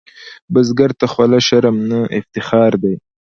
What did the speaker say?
بزګر ته خوله شرم نه، افتخار دی